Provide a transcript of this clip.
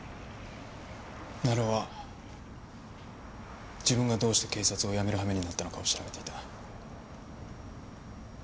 成尾は自分がどうして警察を辞めるはめになったのかを調べていた。